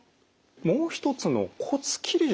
もう一つの骨切り術。